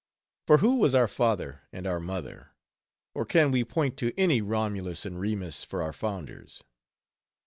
For who was our father and our mother? Or can we point to any Romulus and Remus for our founders?